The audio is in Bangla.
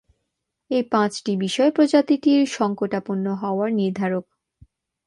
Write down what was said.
এই পাঁচটি বিষয় প্রজাতিটির সংকটাপন্ন হওয়ার নির্ধারক।